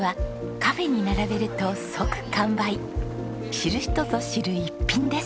知る人ぞ知る逸品です。